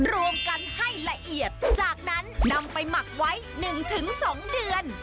รวมกันให้ละเอียดจากนั้นนำไปหมักไว้๑๒เดือน